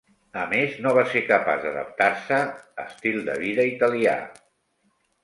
A més no va ser capaç d'adaptar-se estil de vida italià.